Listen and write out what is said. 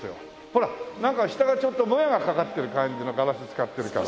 ほらなんか下がちょっと靄がかかってる感じのガラス使ってるから。